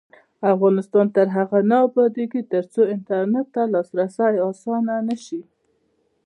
افغانستان تر هغو نه ابادیږي، ترڅو انټرنیټ ته لاسرسی اسانه نشي.